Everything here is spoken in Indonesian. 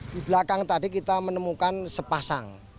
di belakang tadi kita menemukan sepasang